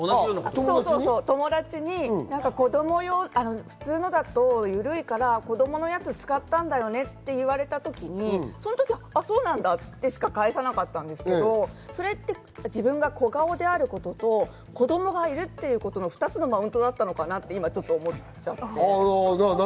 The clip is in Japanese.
友達に普通のだとゆるいから、子供のやつ使ったんだよねって言われた時に、その時、あぁそうなんだとしか返さなかったんだけど、それって自分で小顔であることと子供がいるっていうことの２つのマウントだったのかなって今、思った。